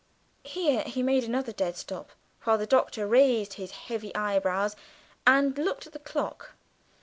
Here he made another dead stop, while the Doctor raised his heavy eyebrows, and looked at the clock.